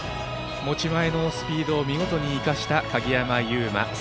持ち前のスピードを見事に生かした鍵山優真。